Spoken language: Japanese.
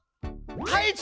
隊長！